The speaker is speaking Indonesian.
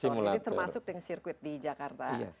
jadi termasuk dengan sirkuit di jakarta